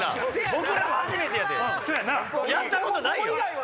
僕らも初めてやねんやったことないよ！